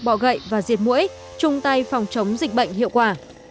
bọ gậy và diệt mũi chung tay phòng chống dịch bệnh hiệu quả